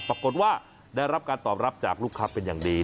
ปรากฏว่าได้รับการตอบรับจากลูกค้าเป็นอย่างดี